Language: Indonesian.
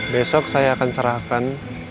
besok saya akan serahkan